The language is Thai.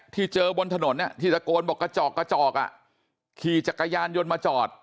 ที่เจอบนถนนที่ตะโกนบอกกระจอกกระจอกขี่จักรยานยนต์มาจอด